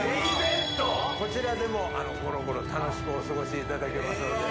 こちらでもごろごろ楽しくお過ごしいただけますので。